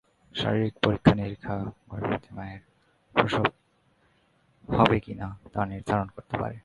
শারীরিক পরীক্ষা নিরীক্ষা গর্ভবতী মায়ের রোধক প্রসব হবে কিনা তা নির্ধারণ করতে পারে।